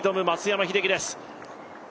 松山英樹です。